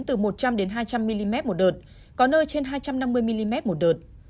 từ một trăm linh hai trăm linh mm một đợt có nơi trên hai trăm năm mươi mm một đợt